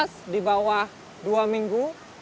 kita sudah berusaha selama dua minggu